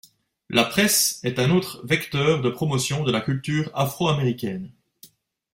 La presse est un autre vecteur de promotion de la culture afro-américaine.